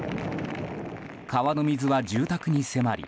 川の水は住宅に迫り